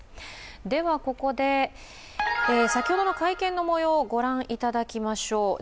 では、ここで先ほどの会見のもようをご覧いただきましょう。